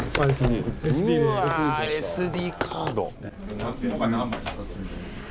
うわＳＤカード。